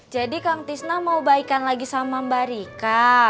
jadi kang tisna mau baikan lagi sama mbak rika